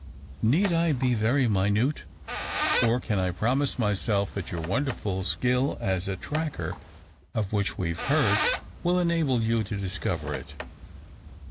Need I be very minute? Or can I promise myself, that your wonderful skill as a `tracker,' of which we've heard, will enable you to discover it?